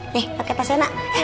nih pake tas enak